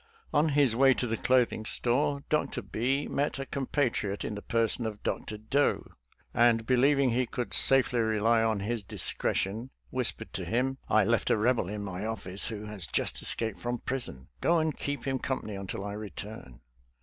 On his way to the clothing store. Dr. B met a com patriot ini the person of Dr. Doe,, and believing he could safely rely on his discretion, (.whispered to him, " I left a Eebel in my office who has just escaped from > prison. Go and keep him com pany until I return."